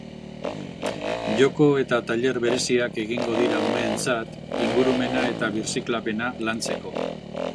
Joko eta tailer bereziak egingo dira umeentzat, ingurumena eta birziklapena lantzeko.